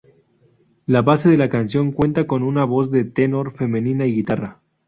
La base de la canción cuenta con una voz de tenor femenina y guitarra.